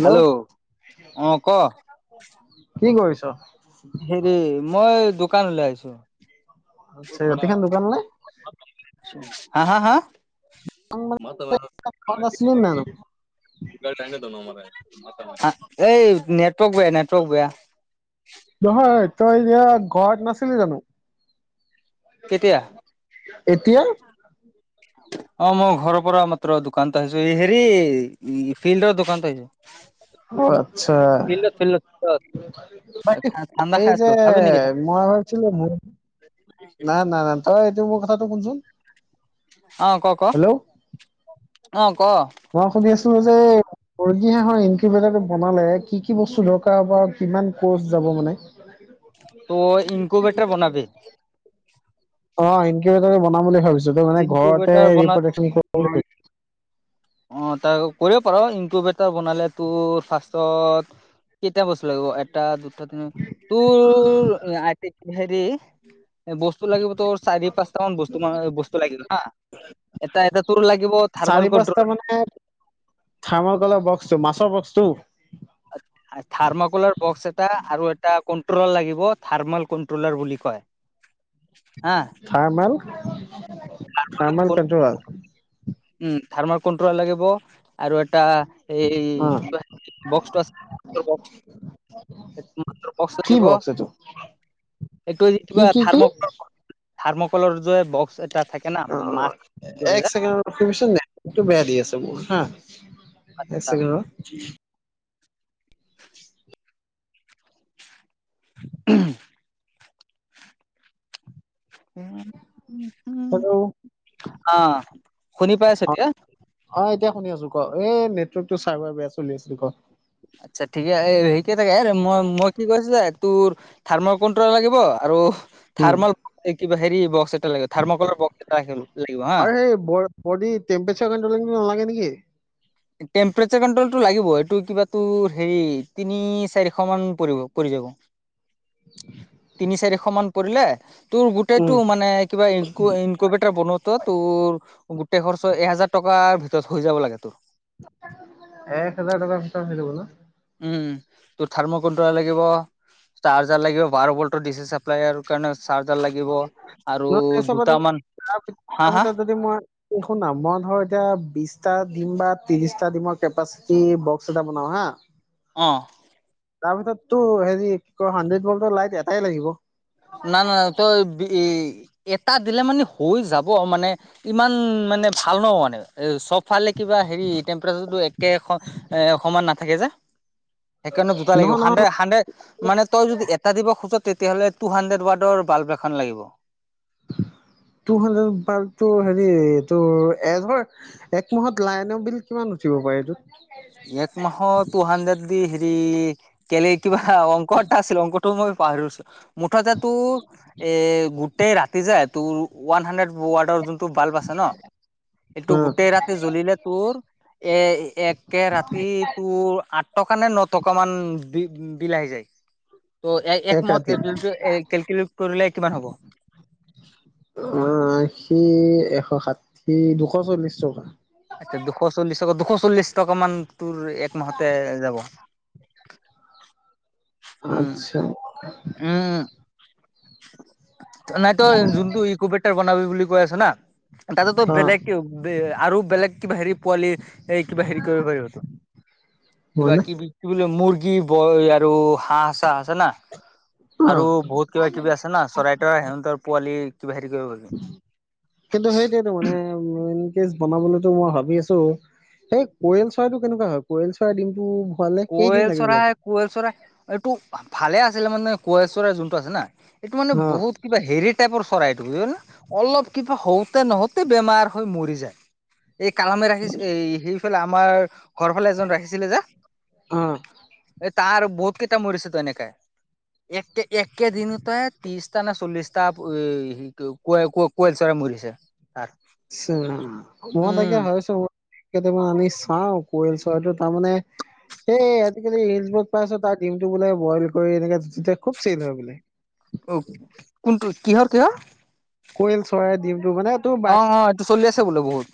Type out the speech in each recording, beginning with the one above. Hello অ ক কি কৰিছ? হেৰি মই দোকান ল আহিছো আচছা ৰাতি খখন দোকান নাই হা হা হা ম ঘৰত আছিলি নে নাই? তমিকাই নটো ন আমাৰ এই নেটৱৰ্ক বেয়া নেটৱৰ্ক বেয়া নহয় তই এতিয়া ঘৰত নাছিলি জানো কেতিয়া এতিয়া অ মোৰ ঘৰৰ পৰা মাত্ৰ দোকানত আহিছো এই হেৰি ফিল্ডৰ দোকানত আহছো আচ্ছা ফিল্ডত ফিল্ডত ঠাণ্ডা এই খাই আছো যে খাবি নেকি মই ভাবছিলো নাই নাই নাই তই এইটো মোৰ কথাটো কুনচোন অ ক ক অহ ক ত যে ৰ্ হকবনালে কি কি বস্তু দকাৰ হ কি মানে ত ইনকোবেটাৰ বনাব অকিট বনাম বুলি ভাবিছো তই মানে ঘৰতে ইনকুবেটাৰ বনা বুলি ভ অ তাৰ কৰিব পাৰো ইনকবটৰ বনালে তোৰ ফাৰ্ষত কেতিয়া বস্তু লাগিব এটা দুটা তিনি তোৰ আই বস্তু লাগিব তোৰ চাৰি পাঁচটা মান বস্তু ম বস্তু লাগিব হা এটা এটা তোৰ লাগিব থাৰ্মেল চাৰি কন্ট্ৰল পাঁচটা মানে থামৰ কলপ ব্সটো মাছৰ বক্সটো থাৰ্মাকুলাৰ বক্স এটা আৰু এ এটা কন্ট্ৰলৰ লাগিব থাৰ্মেল কন্ট্ৰলাৰ বুলি কয় হা থাৰ মেল খামাল কটাল উম থাৰ্মাৰ কট্ৰল লাগিব আৰু এটা এই বক্সটো আছে্ ম কি লাগিব বক্স এইটো এইটোে কি কিবা কি থাৰ কি থাৰ্মকললৰ যে বক্স এটা থাকে ন অ অ এক মাছৰে ছেকেণ্ড বেয়া দিয় আছে ব হা আচ্ছা একক উ উ উ উম হেল্ল' অ আহ শুনি পাই আছোতিয়া অ এতিয়া শুনি আছো ক এ নেটৱৰ্ক টো চাৰ্ভাৰ বেয়া চলি আছিল ক আচ্ছা ঠিকে হেৰি কিে থাকে মই মই কি কৈছো যে তোৰ থাৰ্মৰ কণ্ট্ৰল লাগিব আৰু উম থাৰ্মল কিবা হেৰি বক্স এটা লাগিব থাৰ্ম কৰ বক্স এটা লাগিব হা ম্পাৰ নালাগে নেকি টেম্পৰেচ কণ্ট্ৰল এইটো লাগিব এইটো কিবাটো হেৰি তিনি চাৰিশ মান পৰিব পৰি যাব তিনি চাৰিশ মান পৰিলে তোৰ গোটেইতটো উম মানে কিবা ইক ইনকোবেটৰ বনোতো তোৰ গোটেই খৰচ এহোজাৰ টকাৰ ভিতৰত ত হৈ যাব লাগে তোৰ এক হাজাৰ টকা কিল বোলো উম তোৰ থাৰ্ম কোনট্ৰলা লাগিব চাৰ্জাৰ লাগিব বাৰ বল্টৰ দিছে চাপ্লাইাৰ কাৰণে চাৰ্জাৰ লাগিব আৰু দুটামান হা তাৰ হা ভিতৰত যদি মই শুনাম মন ধৰ এতিয়া বিশটা দিম বা ত্ৰিশটা ডমৰ কেপাচিটি বক্স এটা বনাও হা আহ তাৰপিছততো হেৰি কি কয় হাড্ৰেড বলৰ লাইট এটাই লাগিব ন ন তই এটা দিলে মানে হৈ যাব মানে ইমান মানে ভাল ন মানে চব ফালে কিবা হেৰি টেম্পাৰেচাৰটো একে এ সমমান নাথাকে যে সেইকাৰণে দুটা লাগিব নহয় নহয় হাড্ৰে হাড্ৰেড মানে তই যদি এটা দিব খোজ তেতিয়াহ'লে টু হাণ্ড্ৰেড ৱ্ডৰ বাল্ব এখন লাগিব টু হাড্ৰেড ত হেৰি তোৰ এজৰ এক মাহত লাইনৰ বিল কিমান উঠিব পাৰে এইটো এক মাহ তু হাড্ৰেড দি হেৰি কেলে কিবা অকটা আছিল অক মই পছো মুঠতে তোৰ এ গোটেই ৰাতি যায় তোৰ ওৱান হাড্ৰেড ৱাৰ্ডৰ যোনটো বাল্ব আছে ন এইটো অ গোটেই ৰাতি জ্বলিলে তোৰ এ এক ৰাতি তোৰ আঠ টকা নে ন টকা মান বি বিলাহি যায় ত এক একমাহত ৰাতি কেলকুলেট কৰিলে কিমান হ'ব অ আশী এশ ষাঠি দুশ চল্লিশ টকা আচ্ছা দুশ চল্লিশ দুশ চল্লিশ টকা মান তোৰ একমাহতে যাব আত্ছা আহ নাই তো যোনটো ইকবেটাৰ বনাবি বুলি কৈ আছে না তাতেতো অ বেলেগ আৰু বেলেগ কিবা হেৰি পোৱালি এই কিবা হেৰি কৰিব কৰিব কিবা হয়নে কি কি বুলি মৰ্গ কি বয় আৰু হাঁহ চাহ আছে না অ আৰু বহুত কিবা কিবি আছে ন চৰাই তৰাই সিহঁতৰ পোৱালি কিবা হেৰি কৰিব পাৰি। কিন্তু সেইটেতো মানে উ কে বনাবলৈতো মই ভাবি আছো সেই পৰিয়ল চৰাইতটো কেনেকুৱা হয় কৰিয়ল চৰাই দিনতটো কোৱেল চৰাই কুৱেল চৰাই এইটো ভালে আছিলে মানে কোৱেল চৰাই যোনটো আছে না এইটো মানে অ অ বহুত কিবা হেৰি টেপৰ চৰাইটো ব ন অলপ কিবা হওঁতে নহওঁতে বেমাৰ হৈ মৰি যায় এই কালামে ৰাখি এই সেইফালে আমাৰ ঘৰ ফালে এজন ৰাখিছিলে যে অ এই তাৰ বহুত কেইটা মৰিছে তো এনেকে একে একেদিনতে ত্ৰিশটা নে চল্লিশটাোৱেল চ বুলিছে উ মই তে হয় চ কেইটামান আমি চাওঁ পৰিল চৰাটো তাৰমানে এই আজিকালি পাইছ তাৰ ডিমটো বোলে বইল কৰি এনে খুব চেই্ হয় বোলে অ কোনটো কিহৰ ক কইল চৰাই দিম ত মানে তোৰ ব অ চলি আছে বোলে বহুত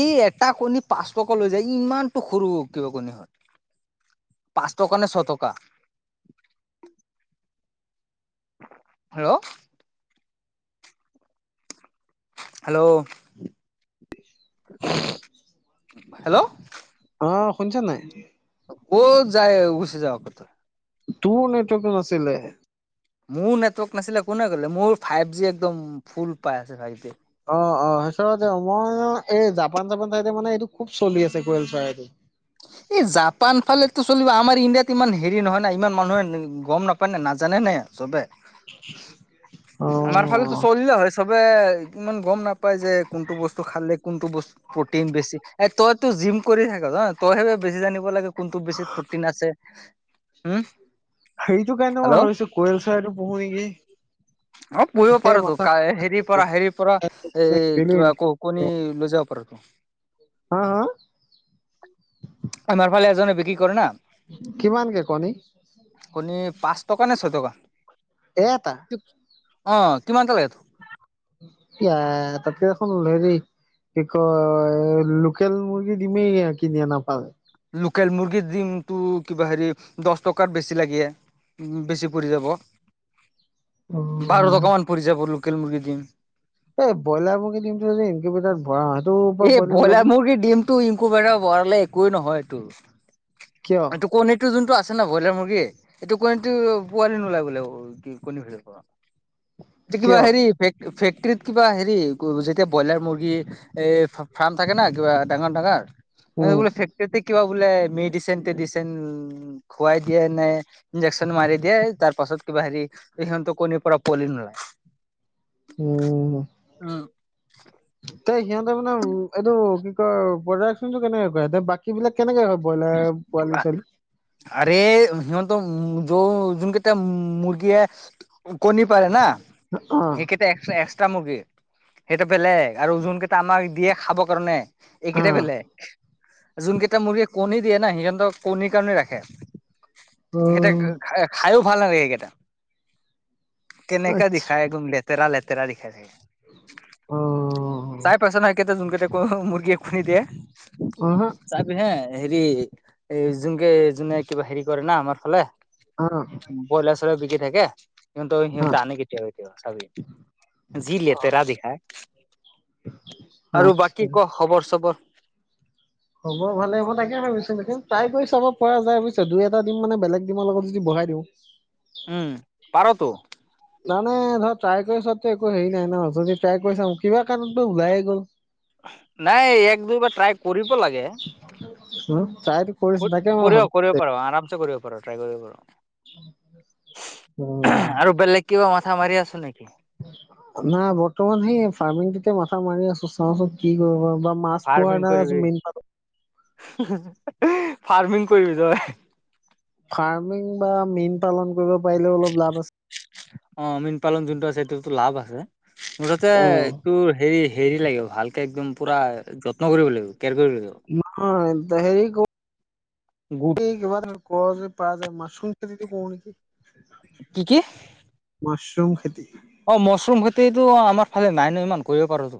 এই এটা কণী পাঁচ ক লৈ যায় ইমানতটো সৰু কিবা কণী হত পাঁচ টকা নে ছ টকা হেল্ল' হেল্ল' [unintelligible] হেল্ল' বাহ অ' শুনিছ নাই অ যায় উচে যা কথা তোৰ নেটৱৰ্কত নাছিলে মোৰ নেটৱৰ্ক নাছিলে কোনে কলে মোৰ ফাইভ জি একদম ফুল পাই আছে ফাইভ জি অ অ সেইচতে মই এই জাপান জাপান চাই মানে এইটো খুব চলি আছে কেল চ এই জাপান ফালে টো চলিব আমাৰ ইণ্ডিয়াত ইমান হেৰি নহয় নাই ইমান মানুহে গম নাপায় নে নাজানে নে চবে আমাৰ ফালেতো অ' চলিল হয় চব ইমান গম নাপাই যে কোনটো বস্তু খালে কোনটো বস্তু প্ৰটিন বেছি তত টো জিম কৰি থাক অ তই সেই বেছি জানিব লাগে কোনটো বেছিত প্ৰটিন আছে উম হেৰিটো কাৰণে মই হেল্ল' ভাবিছো কেল চৰাইতো পঢ়ো নেকি? অ' পুহিব তাকে পাৰোতো মাথা হেৰিৰ পৰা হেৰিৰ পৰা এ কিবা ক কণী লৈ যাব পাৰা। [inaudible] হা-হা আমাৰ ফালে এজনে বিক্ৰী কৰে না। কিমানকে কণী? কণী পাঁচ টকা নে ছয় টকা। এটা। অ কিমানটা লাগে ত এ তাতকে দেখোন হেৰি কি ক লোকেল মুৰ্গী দিমেই কিনি নাপাল লোকেল মুৰ্গীৰ দিম তটো কিবা হেৰি দহ টকাৰ বেছি লাগে উ বেছি পৰি যাব অ বাৰ এই টকামান পৰি যাব লোকেল মুৰ্গী দিম এই ব্ৰইলাৰ মুৰ্গী দিমটো যদি এনক বটাত ভৰা হয় এই ভলা মুৰ্গী ডিমতটো ইমকু বেৰা বৰাে একোৱেই নহয় তো কিয় এইতো কণীতো যোনটো আছে। আছে না ব্ৰইলাৰ মুৰ্গীয়ে এইটো কণীটো পোৱালি নোলাই বোলে কি কণী ভিতৰৰ পৰা কিবা কিয় হেৰি ফেক্টৰত কিবা হেৰি যেতিয়া ব্ৰইলাৰ মুৰ্গী এই ফাৰ্ম থাকে ন' কিবা ডাঙৰ ডাঙাৰ উম এই ফেক্টৰ কিবা বোলে মেডিচন টেডিচন খুৱাই দিয়ে নে ইন্জেকচন মাৰি দিয়ে তাৰ পাছত তাৰ পাছত কিবা হেৰি সিহঁতো কণীৰ পৰা পোৱালি নোলাই উম উম। এ সিহঁতে মানে এইটো কি কয় প্ৰডাকচনটো কেনেকে কৰে বাকী বিলাক কেনেকে হয়। ব্ৰইলাৰ পোৱালি ছোৱালী আৰে সিহঁত উ যো যোন কেইতয়া মুৰ্গীয়ে কণী পাৰে না অ সেইকেইটা এক্সট্ৰা মুৰ্গী সেইটো বেলেগ আৰু ওজন কেইটা আমাক দিয়ে খাবৰ কাৰণে। অ এইকেইটা বেলেগ যোন কেইটা মুৰ্গী। কণী দিয়ে না সিহঁতক কণীৰ কাৰণে ৰাখে সেইকেইটা অ খায়ো ভাল নালাগে এইকেইটা, কেনেকা দিখাই আচ্ছা একদম লেতেৰা লেতেৰা দিখাই থাকে। অ চাই পাইছ নহ কেইতি [unintelligible] মুৰ্গীয়ে কণী দিয়ে। উহু। এ যোনকে যোনে কিবা হেৰি কৰে না আমাৰ ফালে। অ অ বইলাৰ চইলাৰ বিকি থাকে। সিহঁতৰ সিহঁতে আনে কেতিয়াবা কেতিয়াবা চাবি, যি লেতেৰা দেখাই। আৰু আচ্ছা বাকী ক' খবৰ-চবৰ? হব ভালে হব তাকে ভাবিছোঁ তাকে, ট্ৰাই কৰি চাব পৰা যায় বুইছ, দুই এটা ডিম মানে বেলেগ ডিমৰ লগত যদি ভৰাই দিওঁ। উম পাৰতো। নাই নাই, ধৰা ট্ৰাই কৰিচোৱাতটো একো হেৰি নাই ন, যদি ট্ৰাই কৰিছা কিবা কাৰণতো ওলাইয়ে গ'ল। নাই, এক দুইবাৰ ট্ৰাই কৰিব লাগে। হুম। কৰিব কৰিব পাৰ, আৰামছে কৰিব পাৰ ট্ৰাই কৰিব পাৰ। উম উম। আৰু বেলেগ কিবা মাথা মাৰি আছো নেকি না, বৰ্তমান সেই ফাৰ্মিংটোতে মাথা মাৰি আছো, চাওঁচোন কি কৰিব পাও। ফাৰ্মিং কৰিবি। ফাৰ্মিং কৰিবি তই? ফাৰ্মিং বা মীন পালন কৰিব পাৰিলেও অলপ লাভ আছে। অ' মীন পালন যোনটো আছে সেইটো তোৰ লাভ আছে, মুঠতে উম তোৰ হেৰি হেৰি লাগে ভালকে একদম পুৰা যত্ন কৰিব লাগিব। কেয়াৰ কৰিব লাগিব ন তেৰি ক গু এবাৰ কজ প যায় মাছৰুম খেতিটো কৰো নেকি কি কি মাছৰুম খেতি অ মছৰুম খেতিতটো আমাৰ ফালে নাই ন ইমান কৰিব পাৰোতো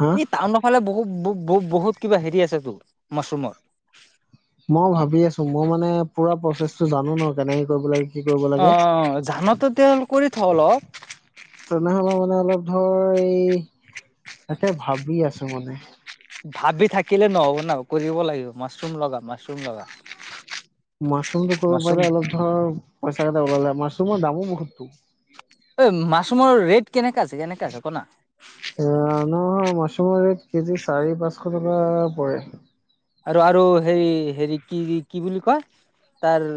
হা এই টাউনৰ ফালে বহু ব ব-বহুত কিবা হেৰি আছেতো মাছৰুমৰ। মই ভাবি আছো মই মানে পুৰা প্ৰচেছটো জানো ন কেনেকে কৰিব লাগি অ ধানতো তেল কৰি থওঁ অলপ। তেনেহলে মানে অলপ ধৰ এই তে ভাবি আছোঁ মানে। ভাবি থাকিলে নহ'ব ন কৰিব লাগিব মাছৰুম লগা মাছৰুম লগা। মাছৰুমটো কৰিব মাছৰুম পাৰিলে অলপ ধৰ পইচা কেইটা ওলালে মাছৰুমৰ দামো বহুতো এই মাছৰুমৰ ৰেট কেনেকাে আছে কেনেকাে আছে কনা এ নহয় মাছৰুমৰ ৰেট কেজি চাৰি পাঁচশ টকা পৰে আৰু আৰু হে হেৰি কি কি বুলি কয় তাৰ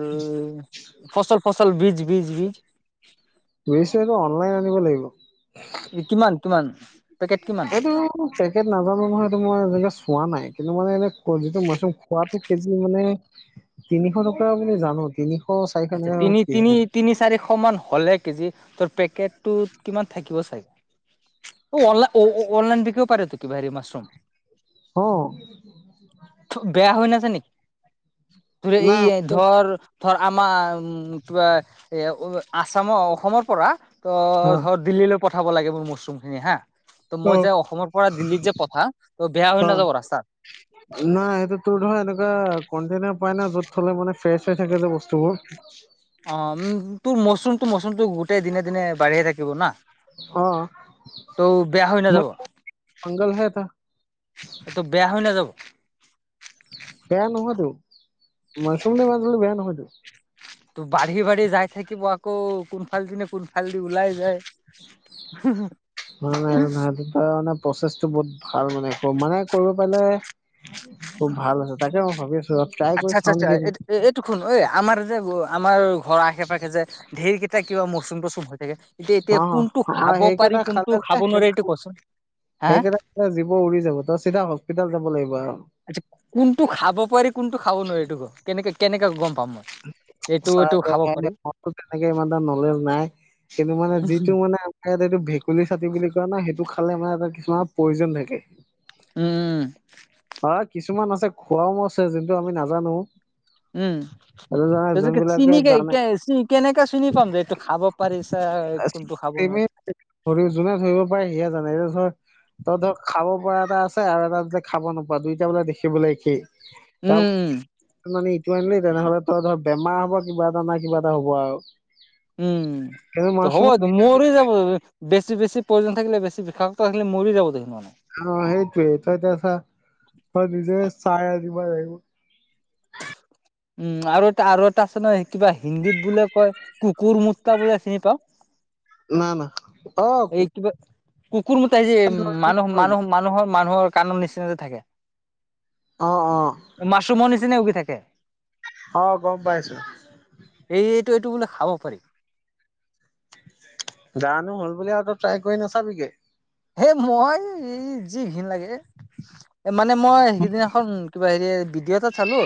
ফচল ফচল বীজ বীজ বীজ কৰিছে এইটো অনলাইন আনিব লাগিব তোমান এইটো পেকেট নাজানো নহয় এইটো মই এনেকে চোৱা নাই কিন্তু মানে এনে যিটো মাছৰুম খোৱাাতটো কেজি মানে তিনিশ টকা বুলি জানো তিনিশ চাৰিশ আচ্ছা এনেকা তিনি তিনি কেজি তিনি চাৰিশ মান হলে কেজি তোৰ পেকটটোত কিমান থাকিব চাগেল অনলাইন বিকিব পাৰে ত কি ভাৰি মছৰুম হ বেয়া হৈ নছে নেকি ত এই নাই ধৰ ধৰা [unintelligible] পঠাব অ লাগে মোৰ মছচৰুমখিনি হাঁ ত মই অ যে অসমৰ পৰা দিল্লীত যে পঠা ত বেয়া হৈ অ নাযাব ৰাস্তা নাই সেইটো তোৰ হয় এনেকুৱা কণটেনা উপায় নাই য'ত থলে মানে ফ্ৰেছ হৈ থাকে যে বস্তুবোৰ অ উম তোৰ মচৰুমটো মচৰুমতটো গোটেই দিনে দিনে বাঢ়িয়ে থাকিব না অ তৌ বেয়া হৈ মই নাযাব ফাংগালহে এটা তটো বেয়া হৈ নাযাব বেয়া নহয়তো মাছৰুম নে মানছলে বেয়া নহয়তো ত বাঢ়ি বাঢ়ি যাই থাকিব আকৌ কোনফালদি নে কোনফালদি ওলাই যায় [unintelligible] নাই নাইটো নাই সটো মে প্ৰচেছটো ব ভাল মানে মানে কৰিব পেলে খুব ভাল আছে তাকে মই ভাবি আছো ট্ৰাই কৰি আচ্ছা আচ্ছা চাওঁ আচ্ছা নেকি এই এইটোুু ঐ আমাৰ যে আমাৰ ঘৰ আশে পাশে যে ধেৰকেইটা কিবা মচুম তচুম হৈ থাকে এতিয়া এতিয়া অ কোনটো অ খাব পাৰি সেইকেইটা কোনটো খালে খাব যে নোৱাৰি এইটো কচোন হা সেইকেইটা জীিব উৰি যাব তই চিধা হস্পিতোল যাব লাগিব আৰু আচ কোনটো খাব পাৰি কোনটো খাব নোৱাৰি এইটোোকো কেনেকে কেনেকে গম পাম মই এইটো এইটো খাব চাই পাৰি মনতো তেনেকে ইমান এটা নলেজ নাই সন্তটো মানে যিটো মানে আমাৰ ইয়াত এইটো ভেকুলী চাতি বুলি কয় ন সেইটো খালে মানে এটা কিছুমান প্ৰয়োজন থাকে উম অ কিছুমান আছে খোৱাও আছে যোনটো আমি নাজানো উম ততিকে যোনবিলাকে চিনিে কে জানে কেনেকাে চিনি পাম যে এইটো খাব পাৰিছ কোনটো খাব নোৱাৰি শৰীৰ যোনে ধৰিব পাৰেি জান এই ধৰ ত ধৰ খাব পৰা এটা আছে আৰু এটা যে খাব নোপোৱা দুইটা বোলে দেখিবলৈলে সি উম উ আনিলি তেনেহলে তই ধৰ বেমাৰ হ'ব কিবা এটা নাই কিবা এটা হ'ব আৰু উম কিন্তু মাছৰুম হব মৰি যাব বেছি বেছি প্ৰোজন থাকে বেছি বিষাকক্ত থাকে ম যাব দে সিমান অ সেইটোয়েই তই এতিয়া আ চা তই নিজে চাই আ দিব লাগিব [unintelligible] উম আৰু এটা আৰু এটা আছে নহয় কিবা হিন্দীত বুল কয় কুকুৰ মুত্তা বোলে চিনি পাও ন না অ কোন মতোই যে মানুহ মানুহ কৰিলো মানুহৰ মানুহৰ কানৰ নিচিনাতে থাকে অ অ মছুম নিচিনেে উগি থাকে অ গম পাইছো এই এইটো বোলে খাব পাৰি জানো হল বুলি আৰুত ট্ৰাই কৰি নাচাবিকে হে মই যি ঘিণ লাগে এ মানে মই সেইকেইদিনাখন কিবা হেৰি বিডিঅ এটা চালো